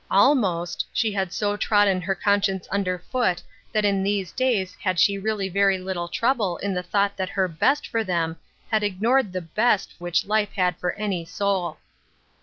Almost, she had so trodden her conscience under foot that in these days had she really very little trouble in the thought that her best for them had ignored the best which life had for any soul.